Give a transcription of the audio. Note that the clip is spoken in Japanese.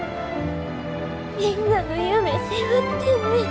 みんなの夢背負ってんねん。